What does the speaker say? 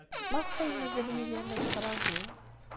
Maɣef ay mazal Yidir la yettṛaju?